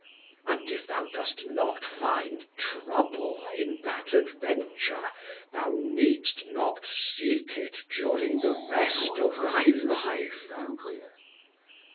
And if thou dost not find trouble in that adventure, thou needst not seek it during the rest of thy life.'